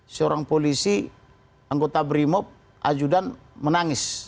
seorang polisi anggota brimop ajudan menangis